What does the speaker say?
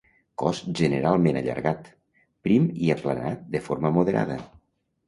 Cos generalment allargat, prim i aplanat de forma moderada.